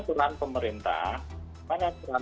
peran pemerintah di mana peran